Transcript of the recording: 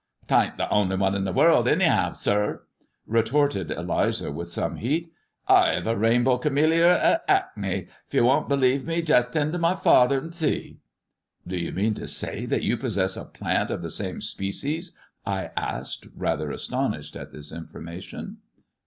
" 'Tain't the only one in the world anyhow, sir," retorted Eliza, with some heat. " I hev a rinebow kemmelliar et 'Ackney. If you don't b'li've me jest send up to my father an' see." a Do you mean to say that you possess a plant of the same species?" I asked, rather astonished at this information.